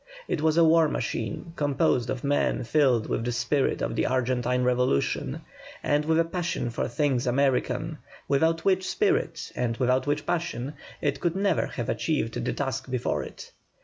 It was a war machine, composed of men filled with the spirit of the Argentine Revolution and with a passion for things American, without which spirit and without which passion it could never have achieved the task before it.